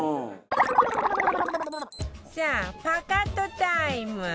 さあパカッとタイム！